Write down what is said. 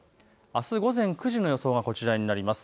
あす午前９時の予想がこちらになります。